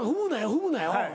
踏むなよ。